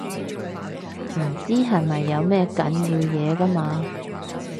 唔知係咪有咩緊要嘢㗎嘛